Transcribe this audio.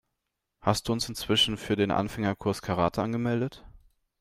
Hast du uns inzwischen für den Anfängerkurs Karate angemeldet?